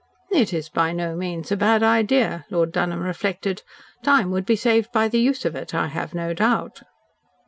"It is by no means a bad idea," Lord Dunholm reflected. "Time would be saved by the use of it, I have no doubt."